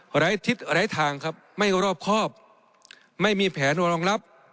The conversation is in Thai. หลายทิศหลายทางครับไม่รอบครอบไม่มีแผนรองรับ